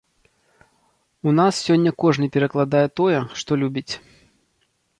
У нас сёння кожны перакладае тое, што любіць.